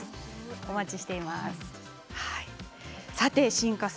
お待ちしています。